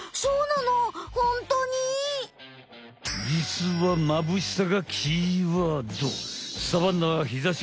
じつはまぶしさがキーワード。